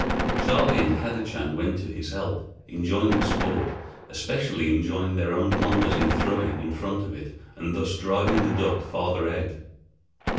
Charley and Kadachan went to his help, enjoying the sport, especially enjoying their own blunders in throwing in front of it and thus driving the duck farther out.